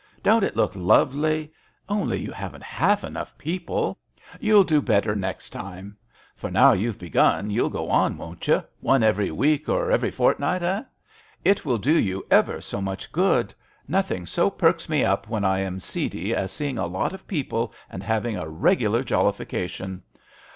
Don't it look lovely? — only you haven't half enough people I You'll do better next MISS AWDREY AT HOME. I91 time. For now you've begun you'll go on, won't you— one every week, or every fortnight —eh ? It will do you ever 80 much good. Nothing so perks me up when I am seedy as seeing a lot of people and having a regular jollification.